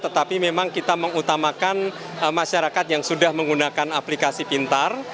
tetapi memang kita mengutamakan masyarakat yang sudah menggunakan aplikasi pintar